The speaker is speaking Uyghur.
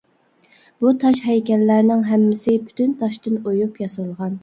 بۇ تاش ھەيكەللەرنىڭ ھەممىسى پۈتۈن تاشتىن ئويۇپ ياسالغان.